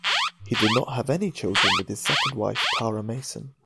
He did not have any children with his second wife, Tara Mason.